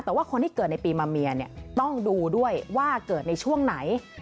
แต่ว่าคนที่เกิดในปีมาเมียต้องดูด้วยว่าเกิดในช่วงไหน